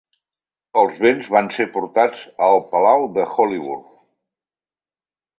Els béns van ser portats a el Palau de Holyrood.